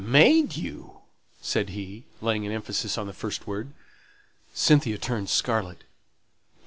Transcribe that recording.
"Made you!" said he, laying an emphasis on the first word. Cynthia turned scarlet.